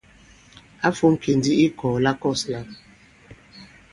Ǎ fōm kì ndī i ikɔ̀ɔ̀ la kɔ̂s lā.